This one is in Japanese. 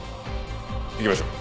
行きましょう。